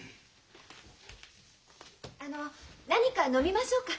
あの何か飲みましょうか？